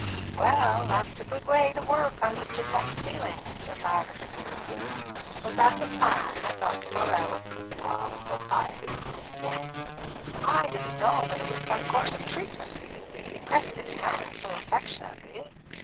"Well, that's a good way to work upon Mr. Peck's feelings," said Lyra demurely. "Was that the plan that Dr. Morrell approved of so highly?" "Yes." "I didn't know but it was some course of treatment. You pressed his hand so affectionately.